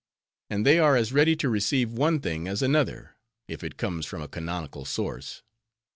And they are as ready to receive one thing as another, if it comes from a canonical source.